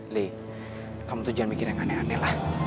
li kamu tuh jangan mikir yang aneh aneh lah